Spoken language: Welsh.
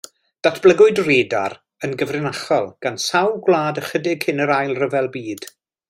Datblygwyd radar yn gyfrinachol gan sawl gwlad ychydig cyn yr Ail Ryfel Byd.